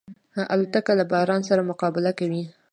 الوتکه له باران سره مقابله کوي.